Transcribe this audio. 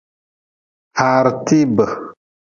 Haare tiibe.